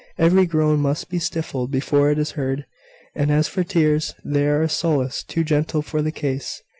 Every groan must be stifled before it is heard: and as for tears they are a solace too gentle for the case.